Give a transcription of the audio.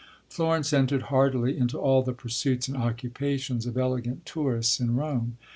Florence entered heartily into all the pursuits and occupations of elegant tourists in Rome.